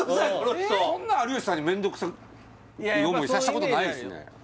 そんな有吉さんにめんどくさい思いさせたことないですね